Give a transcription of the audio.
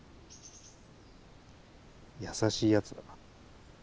優しいやつだな。